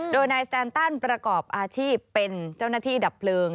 โดยนายสแตนตันประกอบอาชีพเป็นเจ้าหน้าที่ดับเพลิง